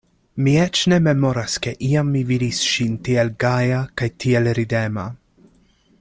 Mi eĉ ne memoras, ke iam mi vidis ŝin tiel gaja kaj tiel ridema.